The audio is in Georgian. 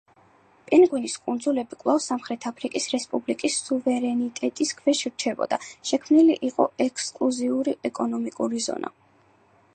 პინგვინის კუნძულები კვლავ სამხრეთ აფრიკის რესპუბლიკის სუვერენიტეტის ქვეშ რჩებოდა, შექმნილი იყო ექსკლუზიური ეკონომიკური ზონა.